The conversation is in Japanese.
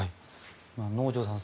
能條さん